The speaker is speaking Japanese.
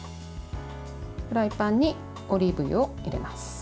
フライパンにオリーブ油を入れます。